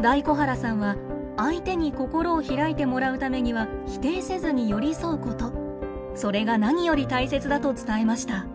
大小原さんは相手に心を開いてもらうためには否定せずに寄り添うことそれが何より大切だと伝えました。